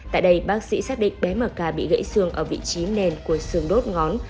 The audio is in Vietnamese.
tại đây bác sĩ xác định bé m ca bị gãy xương ở vị trí nền của xương đốt ngón